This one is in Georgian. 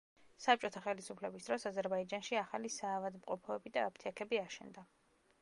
საბჭოთა ხელისუფლების დროს აზერბაიჯანში ახალი საავადმყოფოები და აფთიაქები აშენდა.